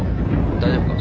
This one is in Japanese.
大丈夫か？